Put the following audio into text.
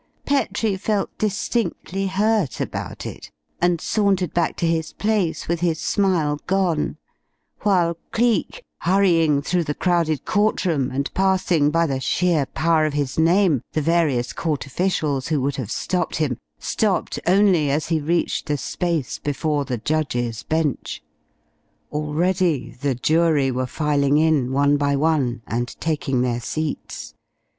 Petrie felt distinctly hurt about it, and sauntered back to his place with his smile gone, while Cleek, hurrying through the crowded court room and passing, by the sheer power of his name, the various court officials who would have stopped him, stopped only as he reached the space before the judge's bench. Already the jury were filing in, one by one, and taking their seats.